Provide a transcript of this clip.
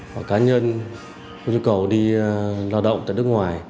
hoặc cá nhân có nhu cầu đi lao động